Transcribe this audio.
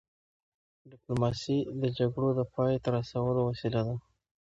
ډيپلوماسي د جګړو د پای ته رسولو وسیله ده.